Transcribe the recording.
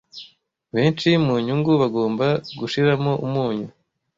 Byinshi mumunyu bagomba gushiramo umunyu.